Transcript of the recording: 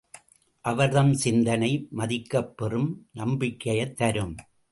அவர்தம் சிந்தனை மதிக்கப்பெறும் நம்பிக்கையைத் தரும்.